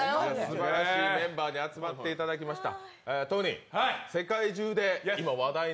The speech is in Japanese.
すばらしいメンバーに集まっていただきました。